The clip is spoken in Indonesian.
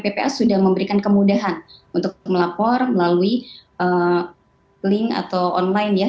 ppas sudah memberikan kemudahan untuk melapor melalui link atau online ya